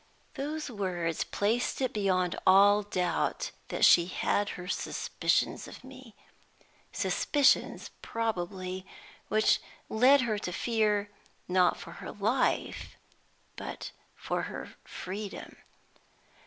Those words placed it beyond all doubt that she had her suspicions of me suspicions, probably, which led her to fear not for her life, but for her freedom.